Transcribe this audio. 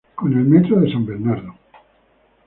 Con el Metro en San Bernardo.